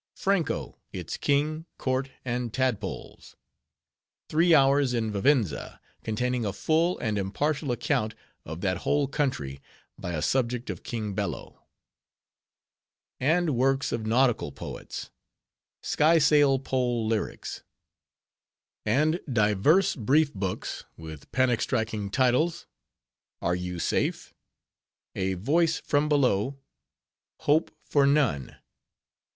"Franko: its King, Court, and Tadpoles." "Three Hours in Vivenza, containing a Full and Impartial Account of that Whole Country: by a Subject of King Bello." And works of nautical poets:— "Sky Sail Pole Lyrics." And divers brief books, with panic striking titles:— "Are you safe?" "A Voice from Below." "Hope for none."